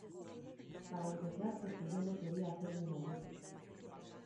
Para empezar porque yo no quería hacerme mayor.